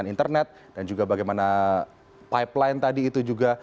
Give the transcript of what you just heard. internet dan juga bagaimana pipeline tadi itu juga